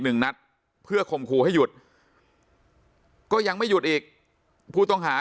หนึ่งนัดเพื่อคมคู่ให้หยุดก็ยังไม่หยุดอีกผู้ต้องหา